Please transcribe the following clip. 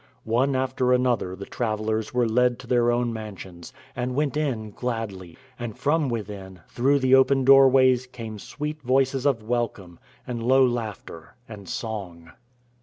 One after another the travelers were led to their own mansions, and went in gladly; and from within, through the open doorways came sweet voices of welcome, and low laughter, and song.